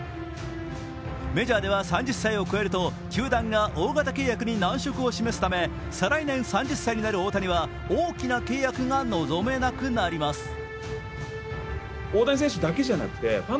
メジャーでは３０歳を超えると球団が大型契約に難色を示すため、再来年３０歳になる大谷は大きな契約が望めなくなります。